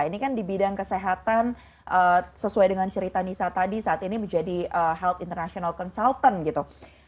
ini kan di bidang kesehatan sesuai dengan cerita nisa tadi saat ini menjadi health international consultant gitu